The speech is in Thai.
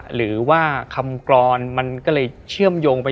หรือว่าคำกรอนมันก็เลยเชื่อมโยงไป